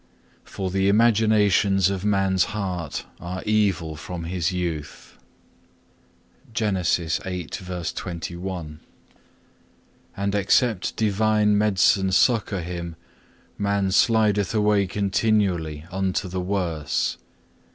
3. For the imaginations of man's heart are evil from his youth,(4) and except divine medicine succour him, man slideth away continually unto the worse.